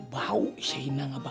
makasih abang arir